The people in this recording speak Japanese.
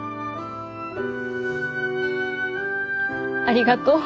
ありがとう。